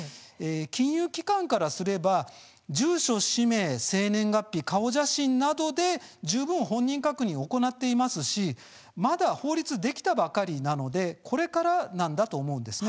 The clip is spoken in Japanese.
金融機関は住所、氏名や生年月日、顔写真などで十分、本人確認を行っていますしまだ法律ができたばかりなのでこれからなんだと思います。